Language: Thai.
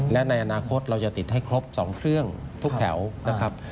และในอนาคตเราจะติดให้ครบ๒เครื่องทุกแถวนะครับ